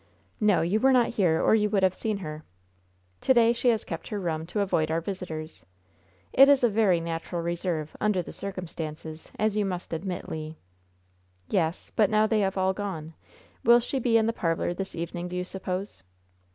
"No, you were not here, or you would have seen her. To day she has kept her room to avoid our visitors. It is a very natural reserve, under the circumstances, as you must admit, Le." "Yes; but now they have all gone. Will she be in the parlor this evening, do you suppose?"